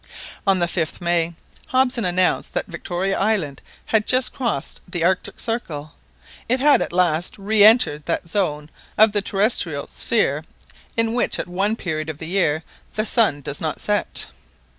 On the 5th May, Hobson announced that Victoria Island had just crossed the Arctic Circle. It had at last re entered that zone of the terrestrial sphere in which at one period of the year the sun does not set.